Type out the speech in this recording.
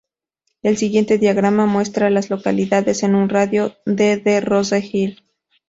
El siguiente diagrama muestra a las localidades en un radio de de Rose Hill.